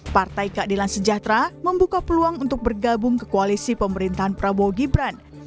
partai keadilan sejahtera membuka peluang untuk bergabung ke koalisi pemerintahan prabowo gibran